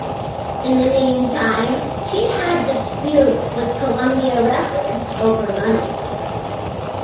In the meantime, she had disputes with Columbia Records over money.